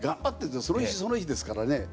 その日その日ですからね。